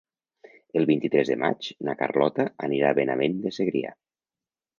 El vint-i-tres de maig na Carlota anirà a Benavent de Segrià.